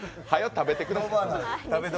食べてください。